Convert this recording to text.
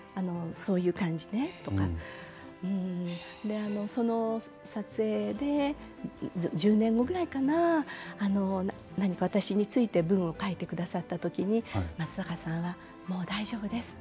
そういう感じで１０年後くらいかな何か私について文を書いてくださった時に松坂さんはもう大丈夫です。